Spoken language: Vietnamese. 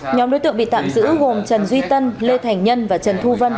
nhóm đối tượng bị tạm giữ gồm trần duy tân lê thành nhân và trần thu vân